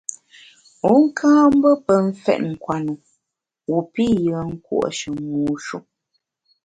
Wu ka mbe pe mfèt nkwenu wu pi yùen nkùo’she mu shu.